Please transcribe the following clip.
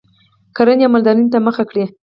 کرنې او مالدارۍ ته مخه کړي